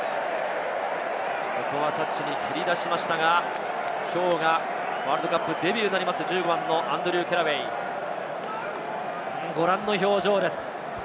ここはタッチに蹴り出しましたが、きょうがワールドカップデビューになります、１５番、アンドリュー・ケラウェイ、ご覧の表情です。